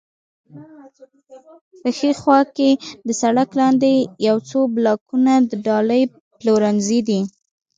په ښي خوا کې د سړک لاندې یو څو بلاکونه د ډالۍ پلورنځی دی.